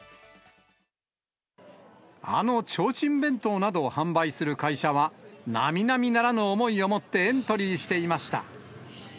あの提灯弁当などを販売する会社は、なみなみならぬ思いを持ってエントリーしていました。